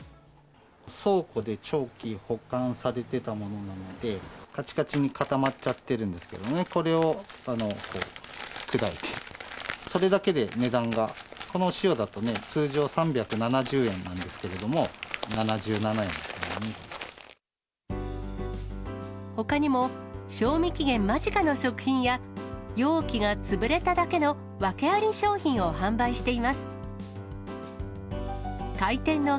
倉庫で長期保管されてたものなので、かちかちに固まっちゃってるんですけどね、これをこう、砕いて、それだけで値段が、この塩だと通常３７０円なんですけれども、ほかにも、賞味期限間近の食品や、容器が潰れただけの訳あり商品を販売しています。